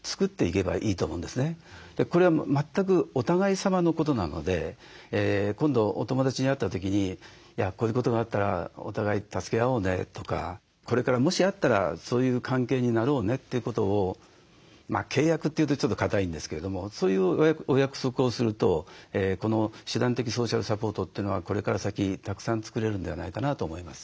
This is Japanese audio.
これは全くお互いさまのことなので今度お友だちに会った時に「こういうことがあったらお互い助け合おうね」とか「これからもしあったらそういう関係になろうね」ということを契約というとちょっと堅いんですけれどもそういうお約束をするとこの手段的ソーシャルサポートというのはこれから先たくさん作れるんではないかなと思います。